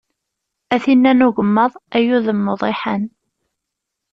A tinn-a n ugemmaḍ, ay udem n uḍiḥan.